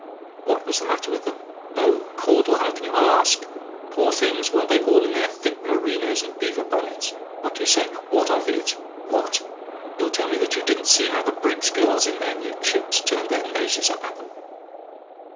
"WHAT WAS THE MATTER WITH THEM? "Oh, Caudle! How can you ask? Poor things! weren't they all in their thick merinos and beaver bonnets? What do you say? "WHAT OF IT? "What! you'll tell me that you didn't see how the Briggs's girls, in their new chips, turned their noses up at 'em?